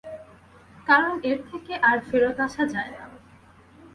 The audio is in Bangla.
কারণ এর থেকে আর ফেরত আসা যায় না।